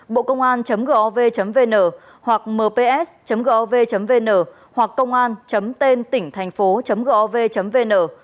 bộcôngan gov vn hoặc mps gov vn hoặc côngan tỉnhthànhphố gov vn